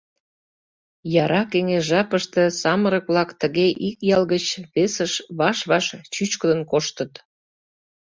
Яра кеҥеж жапыште самырык-влак тыге ик ял гыч весыш ваш-ваш чӱчкыдын коштыт.